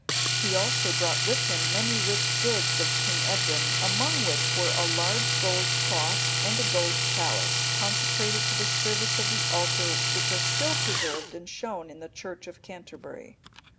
He also brought with him many rich goods of King Edwin, among which were a large gold cross, and a golden chalice, consecrated to the service of the altar, which are still preserved, and shown in the church of Canterbury.